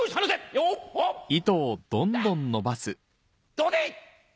どうでい！」。